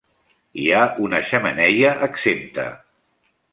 Hi ha una xemeneia exempta.